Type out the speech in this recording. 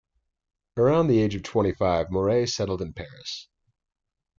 Around the age of twenty-five, Mouret settled in Paris.